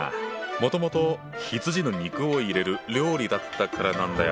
もともと羊の肉を入れる料理だったからなんだよ。